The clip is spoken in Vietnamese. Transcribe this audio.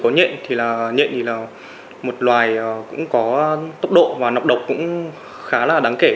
nhưng với loài nhện có tốc độ và nọc độc khá là đáng kể